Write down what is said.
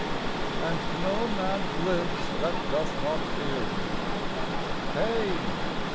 And no man lives that doth not fear you. Pain